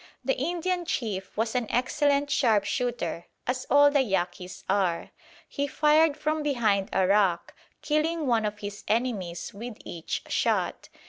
The Indian chief was an excellent sharpshooter, as all the Yaquis are. He fired from behind a rock, killing one of his enemies with each shot.